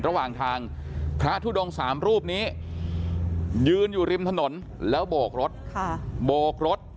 ระหว่างทางพระทุดง๓รูปนี้ยืนอยู่ริมถนนแล้วโบกรถโบกรถ